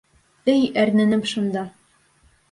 Эй, әрненем шунда!